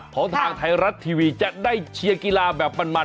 ของทางไทยรัฐทีวีจะได้เชียร์กีฬาแบบมัน